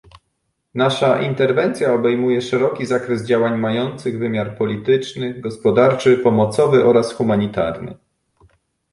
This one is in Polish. Nasza interwencja obejmuje szeroki zakres działań mających wymiar polityczny, gospodarczy, pomocowy oraz humanitarny